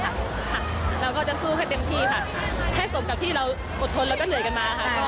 เราก็จะสู้ให้เต็มที่ค่ะให้สมกับที่เราอดทนแล้วก็เหนื่อยกันมาค่ะ